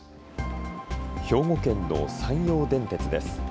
兵庫県の山陽電鉄です。